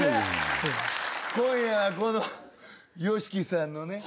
今夜はこのＹＯＳＨＩＫＩさんのね